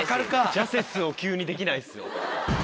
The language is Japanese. ジャセスを急にできないですよ。